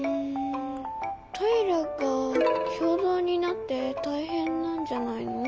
トイレがきょうどうになってたいへんなんじゃないの？